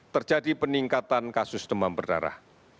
terjadi peningkatan kasus demam berdarah